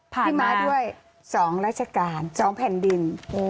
พี่ม้าด้วย๒ราชการ๒แผ่นดิน